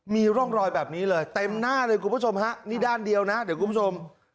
มีร่องรอยแบบนี้เลยเต็มหน้าเลยคุณผู้ชมฮะนี่ด้านเดียวนะเดี๋ยวคุณผู้ชม